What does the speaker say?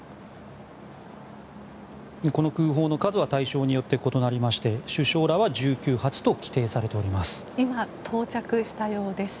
この空砲の数は対象によって異なりまして首相らは１９発と規定されております。